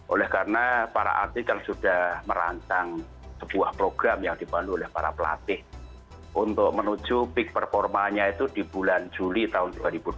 oleh karena para atlet kan sudah merancang sebuah program yang dibantu oleh para pelatih untuk menuju peak performanya itu di bulan juli tahun dua ribu dua puluh